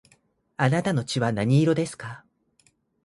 あなたの血の色は何色ですか